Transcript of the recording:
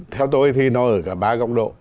theo tôi thì nó ở cả ba góc độ